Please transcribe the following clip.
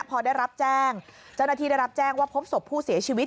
พอได้รับแจ้งเจ้าหน้าที่ได้รับแจ้งว่าพบศพผู้เสียชีวิต